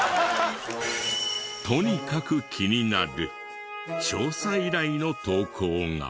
とにかく気になる調査依頼の投稿が。